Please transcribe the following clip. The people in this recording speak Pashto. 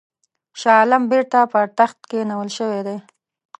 شاه عالم بیرته پر تخت کښېنول شوی دی.